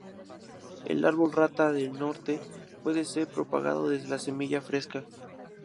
El árbol rata del norte puede ser propagado desde la semilla fresca.